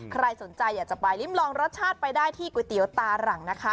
ใครสนใจอยากจะไปริ้มลองรสชาติไปได้ที่ก๋วยเตี๋ยวตาหลังนะคะ